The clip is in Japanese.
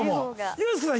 ユースケさん